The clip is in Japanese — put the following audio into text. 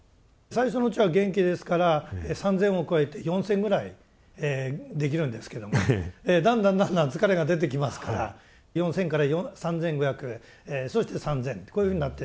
最初のうちは元気ですから３０００を超えて４０００ぐらいできるんですけどもだんだんだんだん疲れが出てきますから４０００から３５００そして３０００とこういうふうになっていきます。